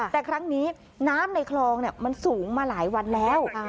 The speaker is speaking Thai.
แต่ครั้งนี้น้ำในคลองมันสูงมาหลายวันแล้ว